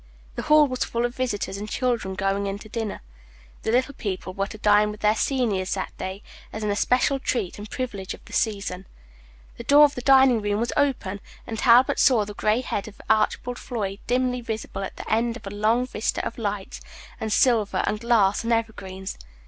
The hall was full of visitors and children going into dinner. The little people were to dine with their seniors that day, as an especial treat and privilege of the season. The door of the dining room was open, and Talbot saw the gray head of Archibald Floyd dimly visible at the end of a long vista of lights, and silver, and glass, and evergreens.